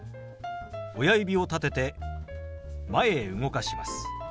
親指を立てて前へ動かします。